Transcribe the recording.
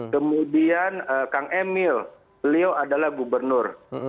kemudian kang emil beliau adalah gubernur